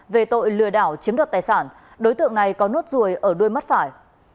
về tội lừa đảo chiếm đoạt tài sản đối tượng này có nốt ruồi ở đuôi mắt phải